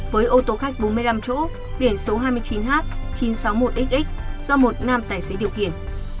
với ô tô khách bốn mươi năm chỗ biển số hai mươi chín h chín trăm sáu mươi một xx do một nam tài xế điều khiển